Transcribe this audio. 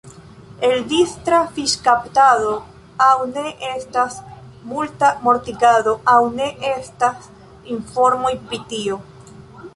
El distra fiŝkaptado aŭ ne estas multa mortigado aŭ ne estas informoj pri tio.